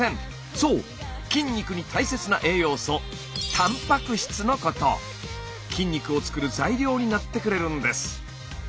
そう筋肉に大切な栄養素筋肉を作る材料になってくれるんです。